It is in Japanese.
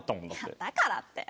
いやだからって。